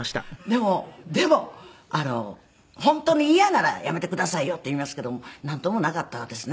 でもでも本当に嫌なら「やめてくださいよ」って言いますけどもなんともなかったですね